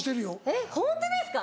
えっホントですか？